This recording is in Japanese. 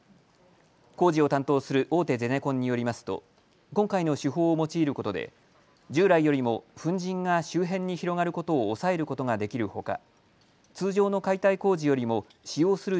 工事を担当する大手ゼネコンによりますと今回の手法を用いることで従来よりも粉じんが周辺に広がることを抑えることができるほか通常の解体工事よりも使用する